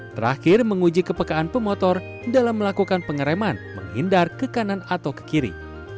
terakhir menguji kepekaan pemotor dalam melakukan pengereman menghindar ke kanan atau ke kiri